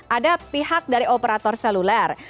ada pihak dari operator seluler